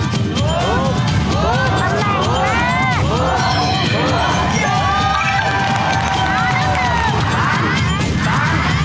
จำนำที่สองจำนำที่สอง